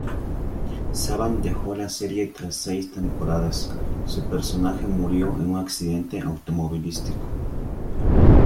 Savant dejó la serie tras seis temporadas; su personaje murió en un accidente automovilístico.